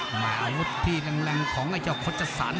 หมาวุฒิที่แรงของไอ้เจ้าโฆษร